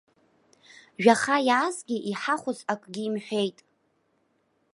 Жәаха иаазгьы иҳахәоз акгьы имҳәеит.